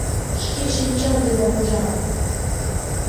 Шке шинчам денак ужам.